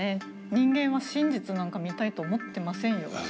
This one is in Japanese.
人間は真実なんか見たいと思ってませんよ。